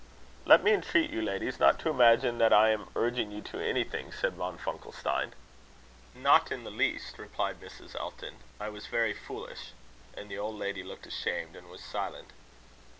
"Let me entreat you, ladies, not to imagine that I am urging you to anything," said Funkelstein. "Not in the least," replied Mrs. Elton. "I was very foolish." And the old lady looked ashamed, and was silent.